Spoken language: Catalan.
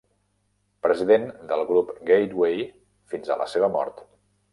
President del grup Gateway fins a la seva mort.